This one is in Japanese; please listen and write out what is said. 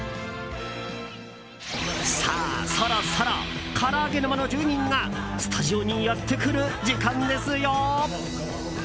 さあ、そろそろから揚げ沼の住人がスタジオにやってくる時間ですよ。